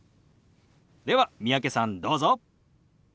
では三宅さんどうぞ。